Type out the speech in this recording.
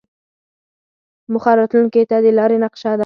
موخه راتلونکې ته د لارې نقشه ده.